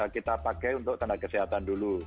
kita pakai untuk tenaga kesehatan dulu